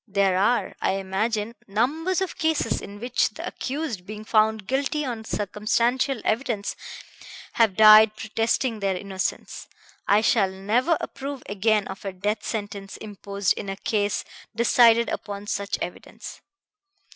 There are, I imagine, numbers of cases in which the accused, being found guilty on circumstantial evidence, have died protesting their innocence. I shall never approve again of a death sentence imposed in a case decided upon such evidence."